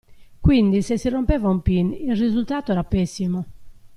Quindi se si rompeva un pin, il risultato era pessimo.